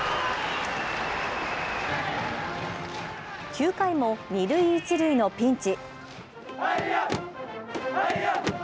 ９回も二塁一塁のピンチ。